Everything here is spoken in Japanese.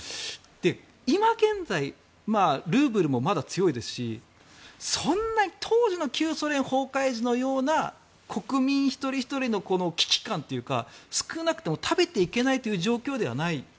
今現在ルーブルもまだ強いですしそんなに当時の旧ソ連崩壊時のような国民一人ひとりの危機感というか少なくとも食べていけないという状況ではない。